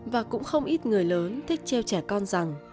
và cũng không ít người lớn thích treo trẻ con rằng